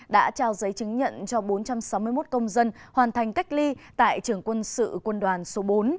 đã trao giấy chứng nhận cho bốn trăm sáu mươi một công dân hoàn thành cách ly tại trường quân sự quân đoàn số bốn